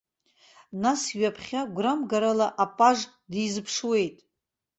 Нас ҩаԥхьа гәрамгарала апаж дизыԥшуеит.